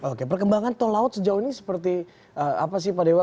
oke perkembangan tol laut sejauh ini seperti apa sih pak dewa